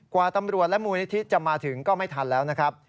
กว่าตำรวจและมูลนิธิจะมาถึงก็ไม่ทันแล้วนะครับ